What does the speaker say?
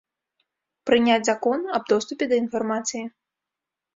Прыняць закон аб доступе да інфармацыі.